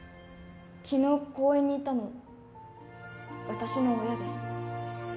昨日公園にいたの私の親です。